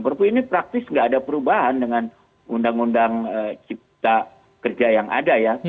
perpu ini praktis nggak ada perubahan dengan undang undang cipta kerja yang ada ya